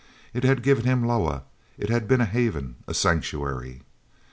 It had given him Loah; it had been a haven, a sanctuary.